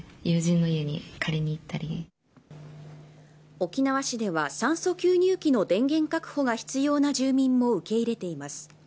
沖縄市では酸素吸入器の電源確保が必要な住民も受け入れています。